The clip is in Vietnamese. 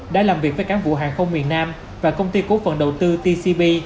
đã làm việc với cán vụ hàng không miền nam và công ty cố phần đầu tư tcp